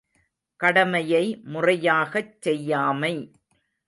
கடமையை முறையாகச் செய்யாமை.